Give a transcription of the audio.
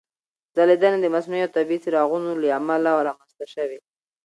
ځلېدنه د مصنوعي او طبیعي څراغونو له امله رامنځته شوې.